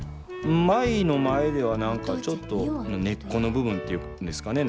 舞の前では何かちょっと根っこの部分っていうんですかね